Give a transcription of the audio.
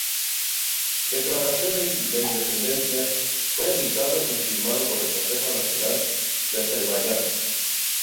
Declaración de independencia fue editado y firmado por el Consejo Nacional de Azerbaiyán.